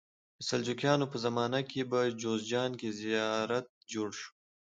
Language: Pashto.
د سلجوقیانو په زمانه کې په جوزجان کې زیارت جوړ شو.